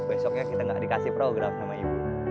besoknya kita nggak dikasih program sama ibu